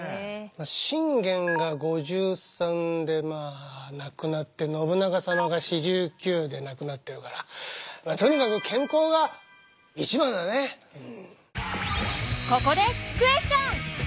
信玄が５３でまあ亡くなって信長様が４９で亡くなっているからここでクエスチョン！